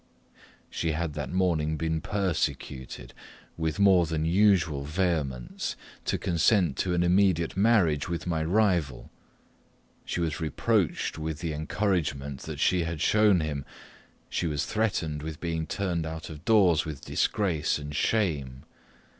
She had that morning been persecuted, with more than usual vehemence, to consent to an immediate marriage with my rival. She was reproached with the encouragement that she had shown him she was threatened with being turned out of doors with disgrace and shame.